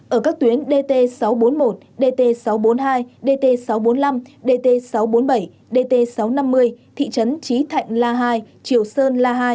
ở các tuyến dt sáu trăm bốn mươi một dt sáu trăm bốn mươi hai dt sáu trăm bốn mươi năm dt sáu trăm bốn mươi bảy dt sáu trăm năm mươi thị trấn trí thạnh la hai triều sơn la hai